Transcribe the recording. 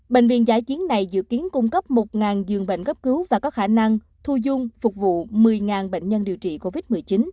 bệnh viện giã chiến này dự kiến cung cấp một giường bệnh cấp cứu và có khả năng thu dung phục vụ một mươi bệnh nhân điều trị covid một mươi chín